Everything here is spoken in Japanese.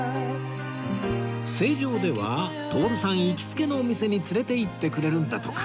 成城では徹さん行きつけのお店に連れていってくれるんだとか